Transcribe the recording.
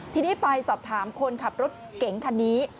ที่นี้ไปถามสิ่งของคนขับรถเก๋งคันนี้